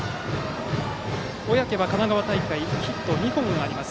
小宅は神奈川大会ヒット２本があります。